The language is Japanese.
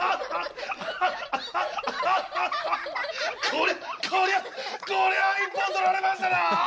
こりゃこりゃこりゃ一本取られましたな！